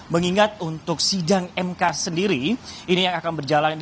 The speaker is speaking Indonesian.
mengingat untuk sidang mk sendiri ini yang akan berjalan